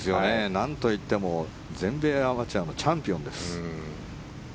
なんといっても全米アマチュアのチャンピオンです。